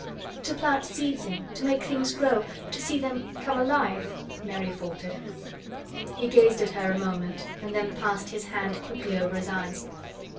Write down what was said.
"To plant seeds in—to make things grow—to see them come alive," Mary faltered. He gazed at her a moment and then passed his hand quickly over his eyes.